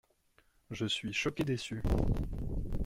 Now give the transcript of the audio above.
Je suis choqué déçu.